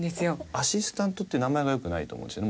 アシスタントって名前がよくないと思うんですよね。